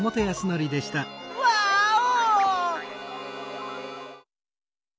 ワーオ！